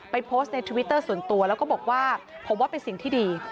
โพสต์ในทวิตเตอร์ส่วนตัวแล้วก็บอกว่าผมว่าเป็นสิ่งที่ดี